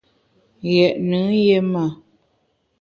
Ghét nùn yé ma.